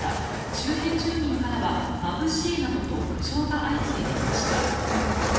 周辺住民からは、まぶしいなどと苦情が相次いでいました。